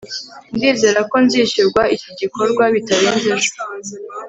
ndizera ko nzishyurwa iki gikorwa bitarenze ejo